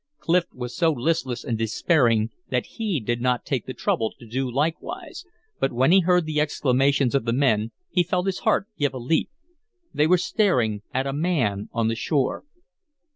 Clif was so listless and despairing that he did not take the trouble to do likewise; but when he heard the exclamations of the men he felt his heart give a leap. They were staring at a man on the shore.